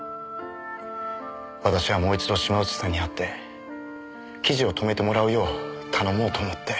私はもう一度島内さんに会って記事を止めてもらうよう頼もうと思って。